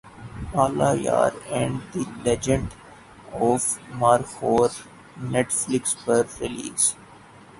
اللہ یار and the legend of Markhor Netflix پر release